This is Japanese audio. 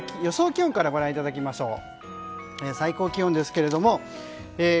気温からご覧いただきましょう。